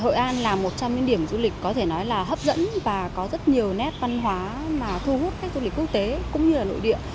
hội an là một trong những điểm du lịch có thể nói là hấp dẫn và có rất nhiều nét văn hóa mà thu hút khách du lịch quốc tế cũng như là nội địa